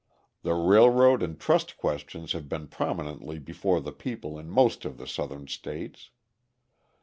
The railroad and trust questions have been prominently before the people in most of the Southern states.